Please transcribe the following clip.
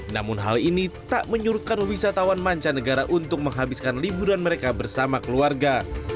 namun hal ini tak menyerutkan wisatawan manca negara untuk menghabiskan liburan mereka bersama keluarga